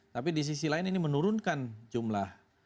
tapi di sisi lain ini menurunkan jumlah